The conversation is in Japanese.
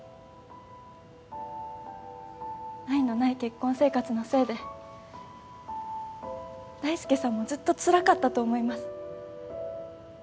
愛のない結婚生活のせいで大介さんもずっとつらかったと思います。